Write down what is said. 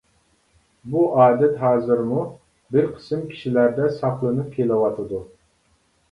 بۇ ئادەت ھازىرمۇ بىر قىسىم كىشىلەردە ساقلىنىپ كېلىۋاتىدۇ.